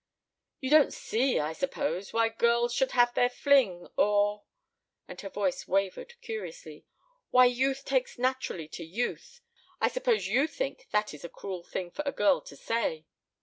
"You don't see, I suppose, why girls should have their fling, or" her voice wavered curiously "why youth takes naturally to youth. I suppose you think that is a cruel thing for a girl to say."